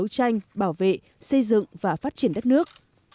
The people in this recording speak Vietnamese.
đấu tranh bảo vệ xây dựng và phát triển đất nước